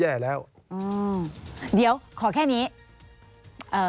การเลือกตั้งครั้งนี้แน่